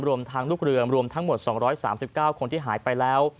รวมทางลูกเรือรวมทั้งหมด๒๓๙คนที่หายไปแล้ว